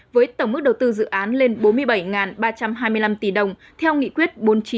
với tổng mức đầu tư dự án lên bốn mươi bảy ba trăm hai mươi năm tỷ đồng theo nghị quyết bốn mươi chín hai nghìn một mươi